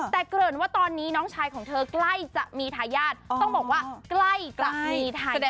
แต่เกริ่นว่าตอนนี้น้องชายของเธอใกล้จะมีทายาทต้องบอกว่าใกล้จะมีทายาท